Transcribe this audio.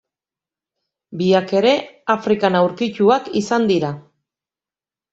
Biak ere Afrikan aurkituak izan dira.